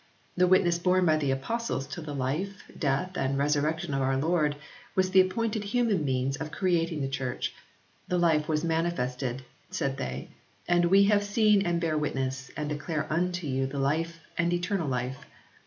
The witness borne by the Apostles to the Life, Death and Resurrection of their Lord was the appointed human means of creating the Church : "the Life was manifested," said they, "and we have seen and bear witness and declare unto you the Life, the Eternal Life."